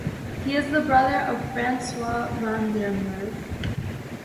He is the brother of François van der Merwe.